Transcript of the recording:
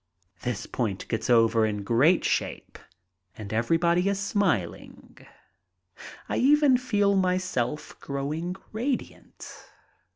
This point gets over in great shape and everybody is smiling. I even feel myself growing radiant.